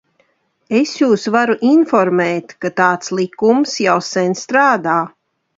Es jūs varu informēt, ka tāds likums jau sen strādā.